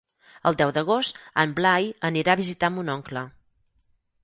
El deu d'agost en Blai anirà a visitar mon oncle.